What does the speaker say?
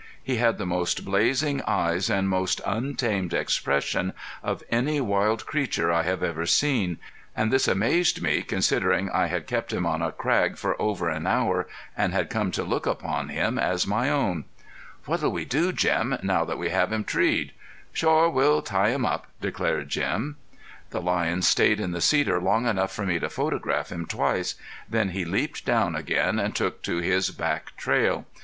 He had the most blazing eyes and most untamed expression of any wild creature I have ever seen; and this amazed me considering I had kept him on a crag for over an hour, and had come to look upon him as my own. "What'll we do, Jim, now that we have him treed?" "Shore, we'll tie him up," declared Jim. The lion stayed in the cedar long enough for me to photograph him twice, then he leaped down again and took to his back trail.